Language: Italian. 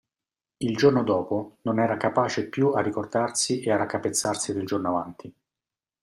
Il giorno dopo non era capace più a ricordarsi e a raccapezzarsi del giorno avanti.